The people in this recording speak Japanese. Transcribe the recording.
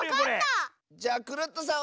じゃクルットさん